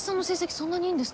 そんなにいいんですか？